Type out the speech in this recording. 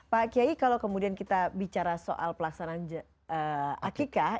pak kiai kalau kemudian kita bicara soal pelaksanaan akikah